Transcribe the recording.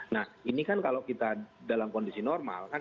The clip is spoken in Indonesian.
nah ini kan kalau kita dalam kondisi normal kan